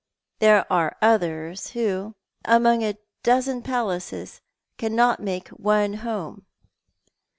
There are others who, among a dozen palaces, cannot make one home.